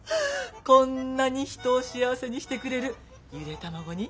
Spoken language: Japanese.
こんなに人を幸せにしてくれるゆで卵に。